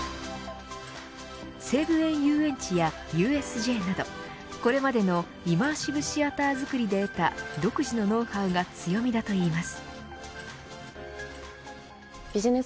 西武園ゆうえんちやＵＳＪなどこれまでのイマーシブシアター作りで得た独自のノウハウが強みだといいます。